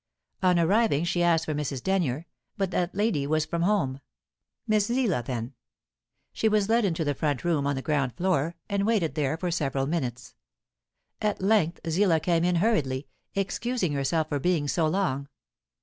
On arriving, she asked for Mrs. Denyer, but that lady was from home. Miss Zillah, then. She was led into the front room on the ground floor, and waited there for several minutes. At length Zillah came in hurriedly, excusing herself for being so long.